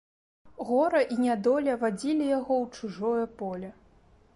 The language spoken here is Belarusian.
Гора і нядоля вадзілі яго ў чужое поле.